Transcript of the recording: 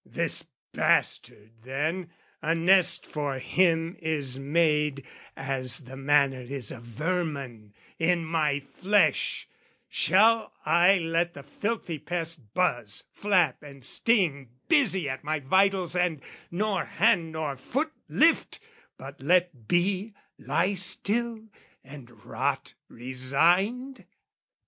This bastard then, a nest for him is made, As the manner is of vermin, in my flesh Shall I let the filthy pest buzz, flap, and sting, Busy at my vitals and, nor hand nor foot Lift, but let be, lie still and rot resigned?